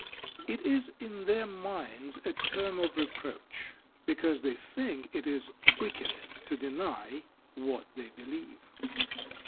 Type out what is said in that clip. It is in their minds a term of reproach. Because they think it is wicked to deny what they believe.